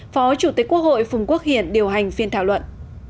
phó chủ tịch quốc hội phùng quốc hiển điều hành phiên thảo luận